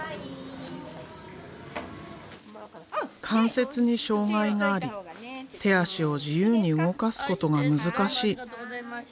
関節に障害があり手足を自由に動かすことが難しい。